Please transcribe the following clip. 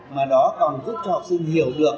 mà nó còn giúp cho học sinh hiểu được